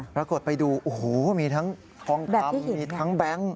ปรากฏไปดูโอ้โหมีทั้งทองคำมีทั้งแบงค์